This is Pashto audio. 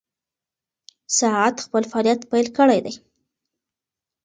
ساعت خپل فعالیت پیل کړی دی.